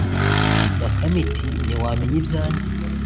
Bakame iti “Ntiwamenya ibyanjye